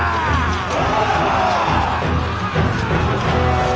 お！